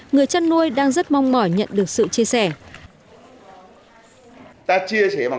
người chăn nuôi đang rất mong mỏi nhận được sự chia sẻ